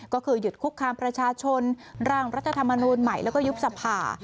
ก็คือหยุดคุกคามประชาชนร่างรัฐธรรมนูลใหม่แล้วก็ยุบสภา